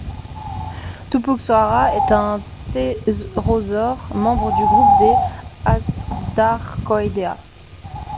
Tupuxuara est un ptérosaure membre du groupe des Azhdarchoidea.